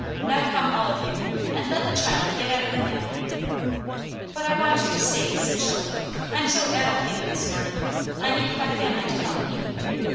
Now come all of you, and let the child get at her mail." "But I want you to stay," said Shelley. "I'm so addle pated this morning. I need my family to help me."